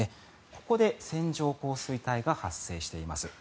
ここで線状降水帯が発生しています。